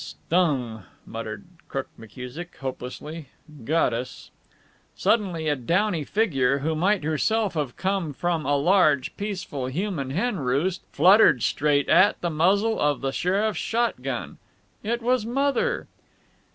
"Stung!" muttered Crook McKusick, hopelessly. "Got us." Suddenly a downy figure who might herself have come from a large, peaceful human hen roost fluttered straight at the muzzle of the sheriff's shot gun. It was Mother.